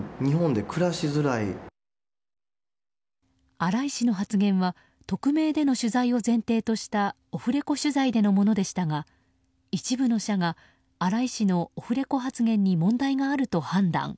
荒井氏の発言は匿名での取材を前提としたオフレコ取材でのものでしたが一部の社が荒井氏のオフレコ発言に問題があると判断。